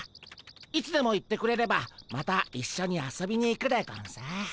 いつでも言ってくれればまたいっしょに遊びに行くでゴンス。